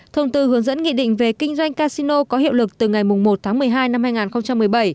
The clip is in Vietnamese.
thông tư hướng dẫn nghị định về kinh doanh casino có hiệu lực từ ngày một tháng một mươi hai năm hai nghìn một mươi bảy